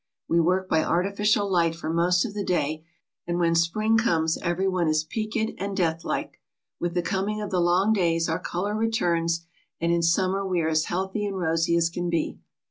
We work by artificial light for most of the day, and when spring comes everyone is peaked and deathlike. With the coming of the long days our colour returns, and in summer we are as healthy and rosy as can be.